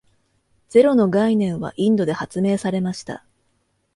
ゼロの概念はインドで発明されました。